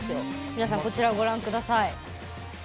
皆さんこちらをご覧下さい。